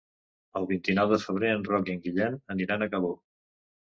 El vint-i-nou de febrer en Roc i en Guillem aniran a Cabó.